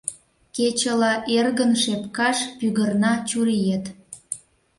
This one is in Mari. Кечыла эргын шепкаш пӱгырна чуриет.